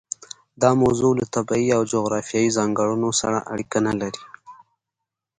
دا موضوع له طبیعي او جغرافیوي ځانګړنو سره اړیکه نه لري.